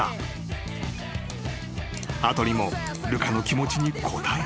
［羽鳥もルカの気持ちに応え］